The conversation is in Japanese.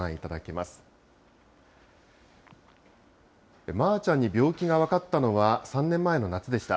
まーちゃんに病気が分かったのは、３年前の夏でした。